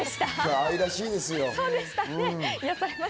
愛らしいですよ。